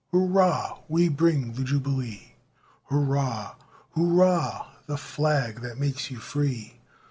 Hurrah! we bring the jubilee! Hurrah! Hurrah! the flag that makes you free!"